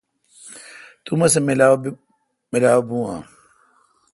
تو مہ سہ میلال یون اؘ۔